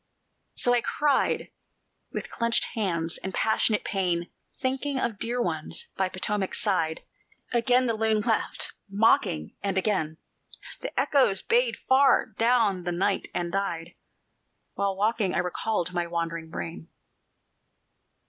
So cried I with clenched hands and passionate pain, Thinking of dear ones by Potomac's side; Again the loon laughed mocking, and again The echoes bayed far down the night and died, While waking I recalled my wandering brain.